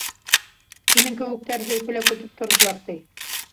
Һинең кеүектәрҙе Өфөлә көтөп торҙолар, ти!